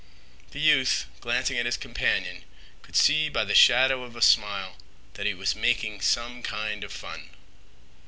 The youth glancing at his companion could see by the shadow of a smile that he was making some kind of fun.